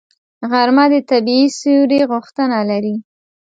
غرمه د طبیعي سیوري غوښتنه لري